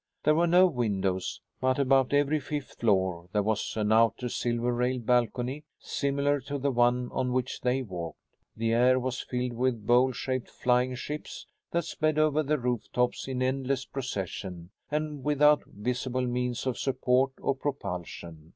There were no windows, but at about every fifth floor there was an outer silver railed balcony similar to the one on which they walked. The air was filled with bowl shaped flying ships that sped over the roof tops in endless procession and without visible means of support or propulsion.